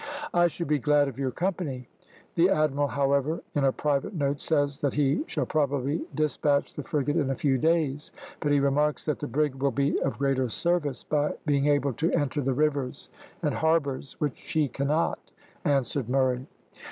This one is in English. "I should be glad of your company; the admiral, however, in a private note, says that he shall probably despatch the frigate in a few days, but he remarks that the brig will be of greater service, by being able to enter the rivers and harbours, which she cannot," answered Murray.